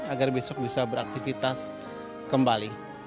agar besok bisa beraktivitas kembali